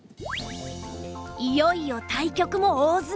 いよいよ対局も大詰め。